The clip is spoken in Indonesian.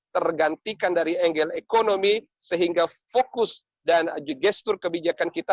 tergantikan dari angle ekonomi sehingga fokus dan gestur kebijakan kita